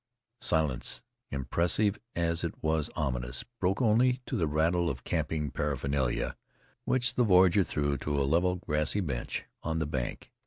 Silence, impressive as it was ominous, broke only to the rattle of camping paraphernalia, which the voyager threw to a level, grassy bench on the bank.